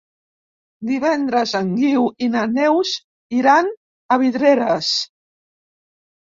Divendres en Guiu i na Neus iran a Vidreres.